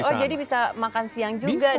oh jadi bisa makan siang juga dinner juga